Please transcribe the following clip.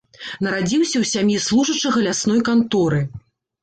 Нарадзіўся ў сям'і служачага лясной канторы.